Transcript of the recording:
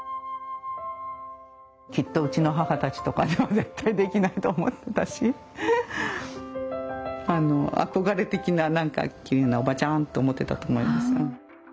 きっとうちの母たちとかには絶対できないと思ってたしあの憧れ的なきれいなおばちゃんと思ってたと思います。